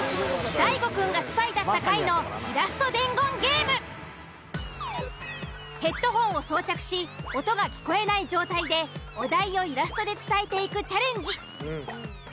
大悟くんがスパイだった回のヘッドホンを装着し音が聞こえない状態でお題をイラストで伝えていくチャレンジ。